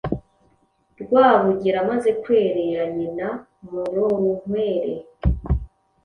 Rwabugili amaze kwerera nyina Murorunkwere